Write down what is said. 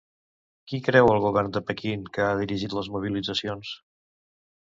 Qui creu el govern de Pequín que ha dirigit les mobilitzacions?